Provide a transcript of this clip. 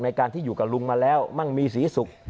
ในการที่อยู่กับลุงมาแล้วมั่งมีศรีสุข